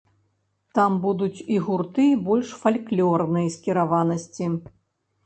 Там будуць і гурты больш фальклорнай скіраванасці.